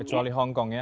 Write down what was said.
kecuali hongkong ya